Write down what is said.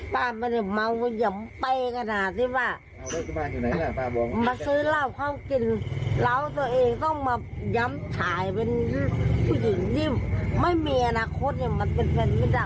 ป้าไม่ได้เมาก็หย่ำเป้ขนาดที่ว่ามาซื้อเหล้าเขากินเหล้าตัวเองต้องมาย้ำฉายเป็นผู้หญิงที่ไม่มีอนาคตเนี่ยมันเป็นแฟนไม่ได้